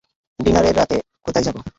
ডিনারে রাতে কোথায় যাব?